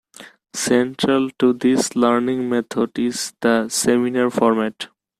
Central to this learning method is the seminar format.